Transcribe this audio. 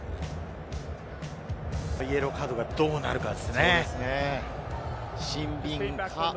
イエローカードがどうなるかですね。